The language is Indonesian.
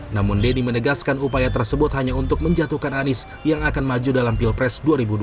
namun denny menegaskan upaya tersebut hanya untuk menjatuhkan anies yang akan maju dalam pilpres dua ribu dua puluh